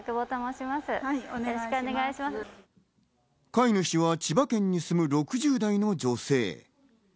飼い主は千葉県に住む６０代の女性。